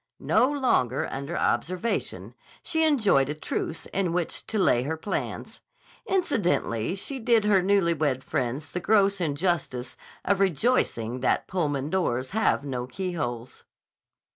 No longer under observation, she enjoyed a truce in which to lay her plans. Incidentally she did her newly wed friends the gross injustice of rejoicing that Pullman doors have no keyholes.